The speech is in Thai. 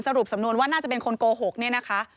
สรุปสำนวนว่าน่าจะเป็นคนโกหกเนี่ยนะคะ